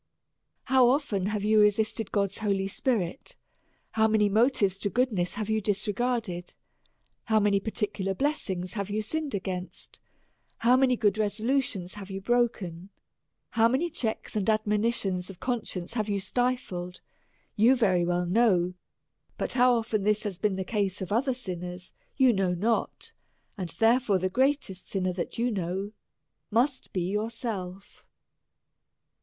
How often you have resisted God's holy Spirit ; how many motives to goodness you have disregarded ; how many particular blessings you have sinned against; how many good resolutions you have broken ; how many checks and admonitions of conscience you have stifled, you very well know : but how often this has been the case of other sinners, you know not ; and, therefore, the greatest sinner that you know must be yourself.